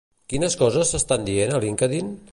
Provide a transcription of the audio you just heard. Quines coses s'estan dient a LinkedIn?